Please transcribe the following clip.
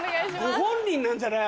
ご本人なんじゃない？